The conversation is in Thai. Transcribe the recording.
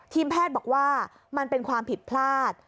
แพทย์บอกว่ามันเป็นความผิดพลาด